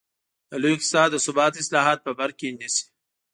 د لوی اقتصاد د ثبات اصلاحات په بر کې نیسي.